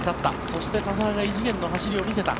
そして田澤が異次元の走りを見せた。